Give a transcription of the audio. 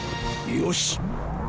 よし！